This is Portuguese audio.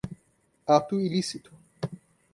ato ilícito